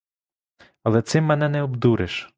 Але цим мене не обдуриш!